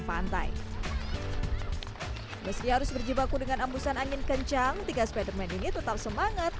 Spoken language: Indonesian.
pantai meski harus berjibaku dengan embusan angin kencang tiga spiderman ini tetap semangat